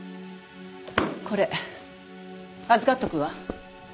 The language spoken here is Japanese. これ預かっておくわ。